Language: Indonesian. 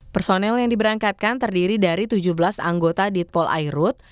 personel yang diberangkatkan terdiri dari tujuh belas anggota ditpol airut